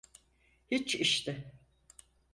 Hiç işte.